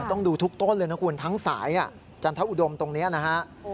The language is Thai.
ต้องดูทุกต้นเลยนะคุณทั้งสายจันทอุดมตรงนี้นะฮะ